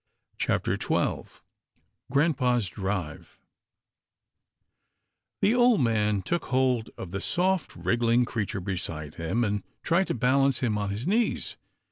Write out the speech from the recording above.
CHAPTER XII GRAM pa's drive The old man took hold of the soft, wriggling creature beside him, and tried to balance him on his knees.